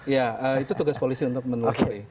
ya itu tugas polisi untuk menelusuri